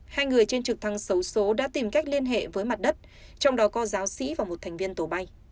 hai người trên trực thăng xấu số đã tìm cách liên hệ với mặt đất trong đó có giáo sĩ và một thành viên tổ bay